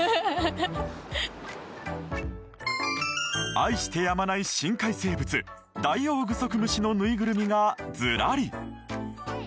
愛してやまない深海生物ダイオウグソクムシのぬいぐるみがずらり。